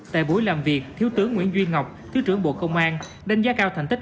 tại buổi làm việc thiếu tướng nguyễn duy ngọc thứ trưởng bộ công an đánh giá cao thành tích